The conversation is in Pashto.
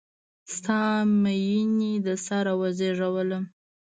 ستا میینې د سره وزیږولم